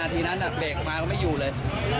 ทีนั้นเบรกออกมาก็ไม่อยู่เลย